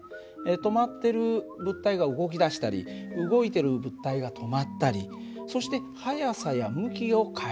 止まってる物体が動き出したり動いてる物体が止まったりそして速さや向きを変える。